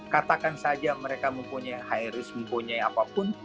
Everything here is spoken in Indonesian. katakan saja mereka mempunyai high risk mempunyai apapun